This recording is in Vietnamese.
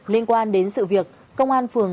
liên quan đến sự việc công an phường